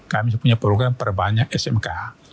kami punya program perbanyak smk